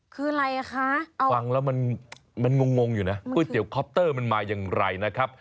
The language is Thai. คืออะไรอ่ะคะฟังแล้วมันงงอยู่นะก๋วยเตี๋คอปเตอร์มันมาอย่างไรนะครับ